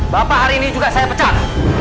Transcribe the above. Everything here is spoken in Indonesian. bapak hari ini juga saya pecat